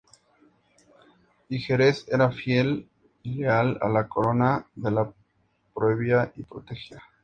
Y Jerez era fiel y leal a la Corona, que la proveía y protegía.